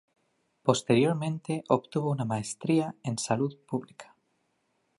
Posteriormente obtuvo una maestría en Salud Pública.